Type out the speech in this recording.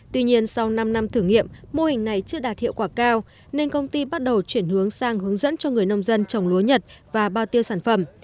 tuy nhiên sau năm năm thử nghiệm mô hình này chưa đạt hiệu quả cao nên công ty bắt đầu chuyển hướng sang hướng dẫn cho người nông dân trồng lúa nhật và bao tiêu sản phẩm